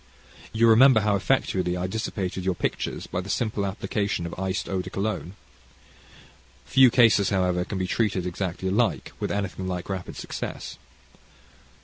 You remember how effectually I dissipated your pictures by the simple application of iced eau de cologne. Few cases, however, can be treated exactly alike with anything like rapid success.